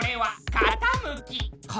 かたむき？